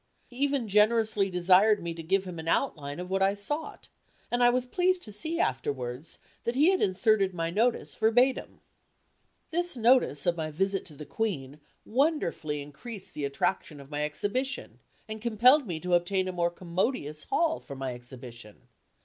He even generously desired me to give him an outline of what I sought, and I was pleased to see afterwards, that he had inserted my notice verbatim. This notice of my visit to the Queen wonderfully increased the attraction of my exhibition and compelled me to obtain a more commodious hall for my exhibition.